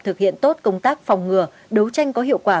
thực hiện tốt công tác phòng ngừa đấu tranh có hiệu quả